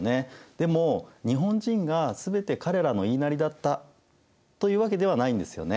でも日本人が全て彼らの言いなりだったというわけではないんですよね。